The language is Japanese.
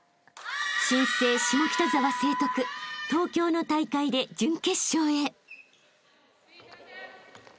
［新生下北沢成徳東京の大会で準決勝へ］